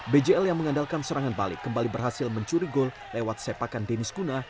bjl yang mengandalkan serangan balik kembali berhasil mencuri gol lewat sepakan deniz kuna